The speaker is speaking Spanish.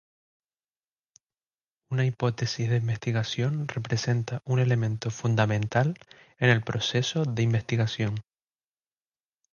Una hipótesis de investigación representa un elemento fundamental en el proceso de investigación.